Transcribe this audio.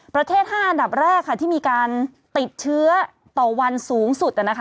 ประเทศ๕อันดับแรกค่ะที่มีการติดเชื้อต่อวันสูงสุดนะคะ